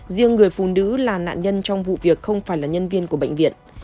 riêng người phụ nữ là nạn nhân trong vụ việc không phải là nhân viên của bệnh viện